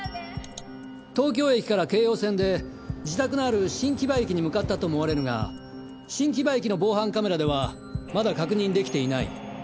東京駅から京葉線で自宅のある新木場駅に向かったと思われるが新木場駅の防犯カメラではまだ確認出来ていない。